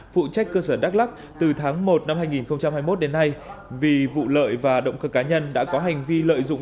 phụ trách cơ sở đắk lắc từ tháng một năm hai nghìn hai mươi một đến nay vì vụ lợi và động cơ cá nhân đã có hành vi lợi dụng